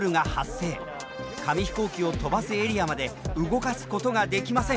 紙飛行機を飛ばすエリアまで動かすことができません。